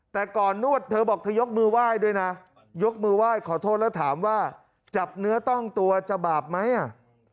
แต่ก่อนนวดเธอบอกเธอยกมือไหว้ด้วยนะยกมือไหว้ขอโทษแล้วถามว่าจับเนื้อต้องตัวจะบาปไหมอ่ะ